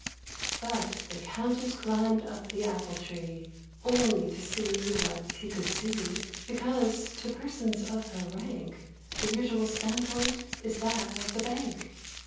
But the Countess climbed up the apple tree, Only to see what she could see — Because to persons of her rank The usual standpoint is that of the bank!